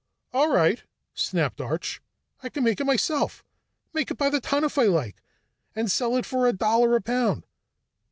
"All right," snapped Arch. "I can make it myself. Make it by the ton if I like, and sell it for a dollar a pound."